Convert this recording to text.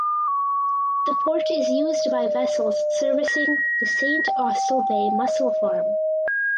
The port is used by vessels servicing the St Austell Bay Mussel Farm.